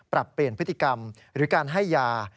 ปรับเปลี่ยนพฤติกรรมหรือการให้ยา